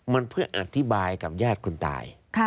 มันเพื่ออธิบายกับญาติคนตาย